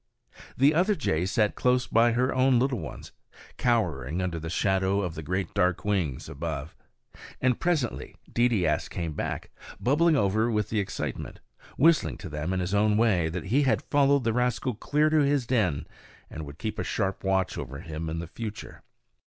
The other jay sat close by her own little ones, cowering under the shadow of the great dark wings above. And presently Deedeeaskh came back, bubbling over with the excitement, whistling to them in his own way that he had followed the rascal clear to his den, and would keep a sharp watch over him in future.